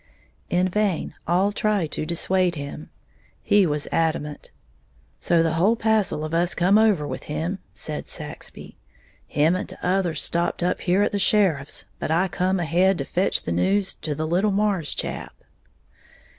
In vain all tried to dissuade him; he was adamant. "So the whole passel of us come over with him," said Saxby. "Him and t'others stopped up here at the sheriff's, but I come ahead to fetch the news to the little Marrs chap."